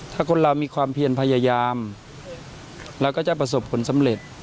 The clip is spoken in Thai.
ถ้าคนเรามีความเพียรพยายามเราก็จะประสบผลสำเร็จ